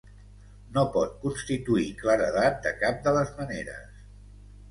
No pot constituir claredat de cap de les maneres.